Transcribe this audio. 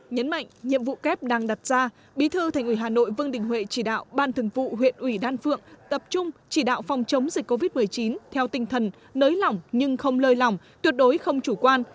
nhấn mạnh nhiệm vụ kép đang đặt ra bí thư thành ủy hà nội vương đình huệ chỉ đạo ban thường vụ huyện ủy đan phượng tập trung chỉ đạo phòng chống dịch covid một mươi chín theo tinh thần nới lỏng nhưng không lơi lỏng tuyệt đối không chủ quan